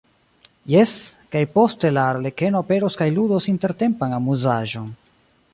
Jes, kaj poste la arlekeno aperos kaj ludos intertempan amuzaĵon.